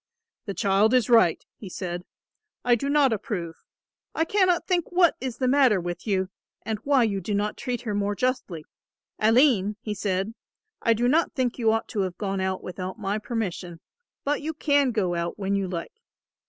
"The child is right," he said, "I do not approve. I cannot think what is the matter with you and why you do not treat her more justly. Aline," he said, "I do not think you ought to have gone out without my permission, but you can go out when you like.